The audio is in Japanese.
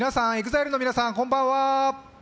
ＥＸＩＬＥの皆さん、こんばんは！